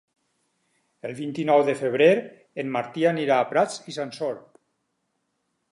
El vint-i-nou de febrer en Martí anirà a Prats i Sansor.